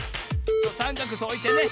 さんかくそうおいてね。